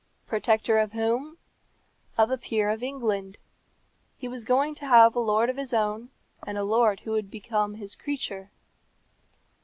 Protector of whom? Of a peer of England. He was going to have a lord of his own, and a lord who would be his creature.